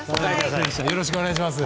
よろしくお願いします。